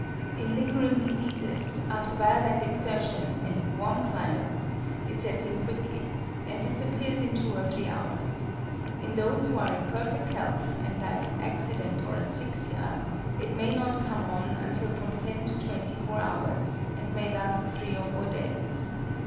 In lingering diseases, after violent exertion, and in warm climates, it sets in quickly, and disappears in two or three hours; in those who are in perfect health and die from accident or asphyxia, it may not come on until from ten to twenty four hours, and may last three or four days.